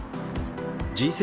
Ｇ７